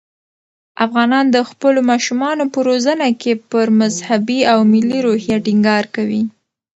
افغانان د خپلو ماشومانو په روزنه کې پر مذهبي او ملي روحیه ټینګار کوي.